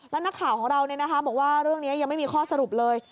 แล้วนักข่าวของเราบอกว่าเรื่องนี้ยังไม่มีข้อสรุปเลย